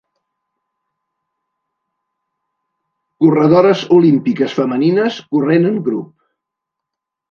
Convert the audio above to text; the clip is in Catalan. Corredores olímpiques femenines corrent en grup.